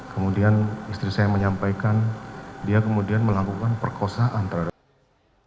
kemudian istri saya menyampaikan dia kemudian melakukan perkosaan terhadap